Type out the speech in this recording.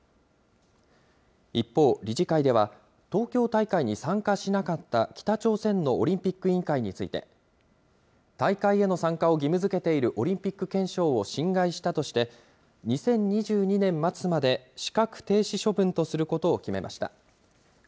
一方、理事会では東京大会に参加しなかった北朝鮮のオリンピック委員会について、大会への参加を義務づけているオリンピック憲章を侵害したとして、２０２２年末まで資格停止処分とすることを決めました。